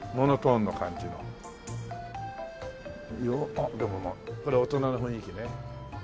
あっでもこれ大人の雰囲気ね。